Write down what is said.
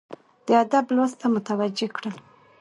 د ادب لوست ته متوجه کړل،